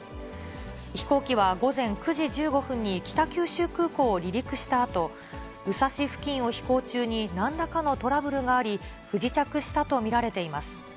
飛行機は午前９時１５分に北九州空港を離陸したあと、宇佐市付近を飛行中になんらかのトラブルがあり、不時着したと見られています。